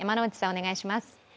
お願いします。